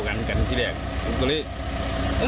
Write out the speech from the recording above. แต่ใบที่นี่ไขมาบริจาติเพื่อนสามน่อย